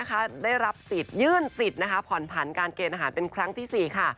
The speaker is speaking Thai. ได้รับสิทธิ์ยื่นสิทธิ์ผ่อนผันการเกณฑ์อาหารเป็นครั้งที่๔ค่ะ